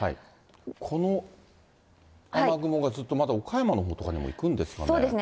この雨雲がずっとまた岡山のほうにも行くんですかね。